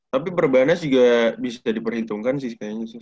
tapi perbaiannya juga bisa diperhitungkan sih kayaknya sekarang